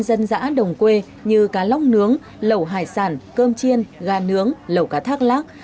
dân dã đồng quê như cá lóc nướng lẩu hải sản cơm chiên gà nướng lẩu cá thác lác